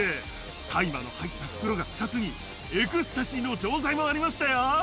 大麻の入った袋が２つに、エクスタシーの錠剤もありましたよ。